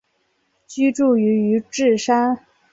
居住于宇治山。